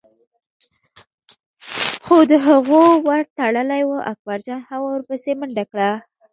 خو د هغوی ور تړلی و، اکبرجان هم ور پسې منډه کړه.